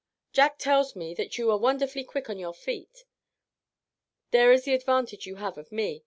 Jack tells me that you are wonderfully quick on your feet; there is the advantage you have of me.